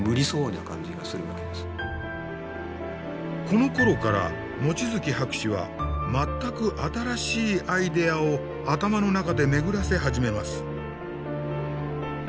このころから望月博士は全く新しいアイデアを頭の中で巡らせ始めます。